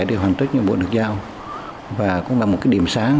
trải nghiệm hoàn tất những bộ lực giao và cũng là một điểm sáng